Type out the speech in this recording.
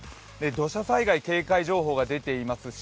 土砂災害警戒情報が出ています